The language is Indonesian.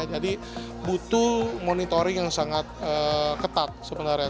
jadi butuh monitoring yang sangat ketat sebenarnya